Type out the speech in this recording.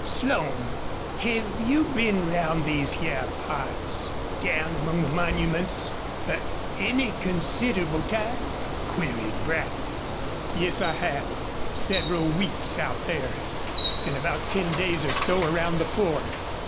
"Slone, hev you been round these hyar parts down among the monuments fer any considerable time?" queried Brackton. "Yes, I have several weeks out there, an' about ten days or so around the Ford."